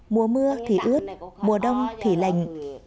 mùa mưa thì ướt mùa đông thì lành